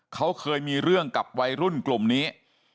เขาเคยมีเรื่องกับวัยรุ่นกลุ่มนี้